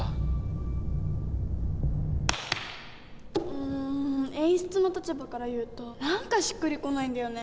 うん演出の立場から言うと何かしっくり来ないんだよね。